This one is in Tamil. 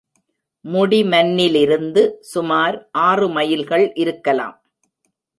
முடிமன்னிலிருந்து சுமார் ஆறு மைல்கள் இருக்கலாம்.